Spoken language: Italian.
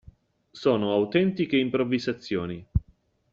Sono autentiche improvvisazioni.